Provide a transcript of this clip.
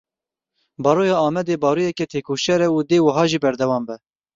Baroya Amedê baroyeke têkoşer e û dê wiha jî berdewam be.